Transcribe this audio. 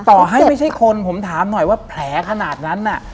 ต่อให้ไม่ใช่คนผมถามหน่อยว่าแผลขนาดนั้นน่ะ